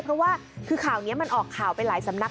เพราะว่าคือข่าวนี้มันออกข่าวไปหลายสำนัก